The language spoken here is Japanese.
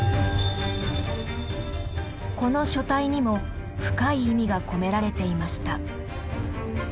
この書体にも深い意味が込められていました。